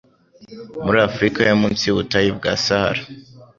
Muri Afurika yo munsi y'ubutayu bwa Sahara